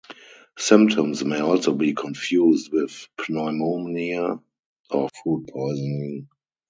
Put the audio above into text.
Symptoms may also be confused with pneumonia or food poisoning.